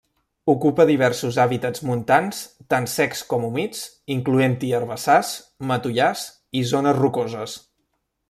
Ocupa diversos hàbitats montans, tant secs com humits, incloent-hi herbassars, matollars i zones rocoses.